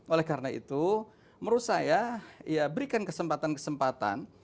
oleh karena itu menurut saya ya berikan kesempatan kesempatan